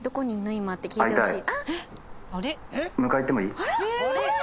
今」って聞いてほしい。